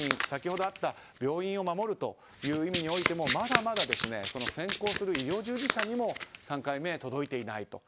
先ほど合った病院を守るという意味においてもまだまだ先行する医療従事者にも３回目は届いていない。